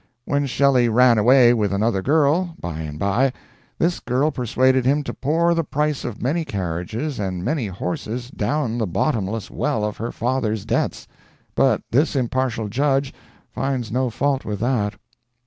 When Shelley ran away with another girl, by and by, this girl persuaded him to pour the price of many carriages and many horses down the bottomless well of her father's debts, but this impartial judge finds no fault with that.